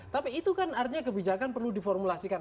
tapi itu kan artinya kebijakan perlu diformulasikan